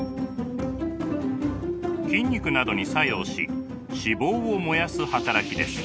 筋肉などに作用し脂肪を燃やす働きです。